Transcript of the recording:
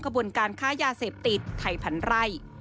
บนการค้ายาเสพติดไทยพันไร่